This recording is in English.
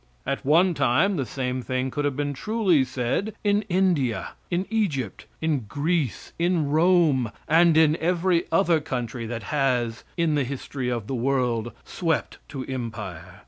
At one time the same thing could have been truly said in India, in Egypt, in Greece, in Rome, and in every country that has in the history of the world, swept to empire.